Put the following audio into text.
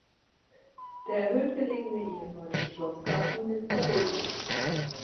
Der erhöht gelegene ehemalige Schlossgarten ist verwildert.